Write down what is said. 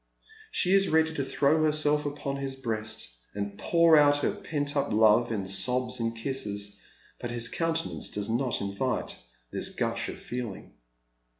She is ready to throw herself upon his breast and pour out her pent up love in sobs and kisses, but his countenance does not invite this gush of feeling.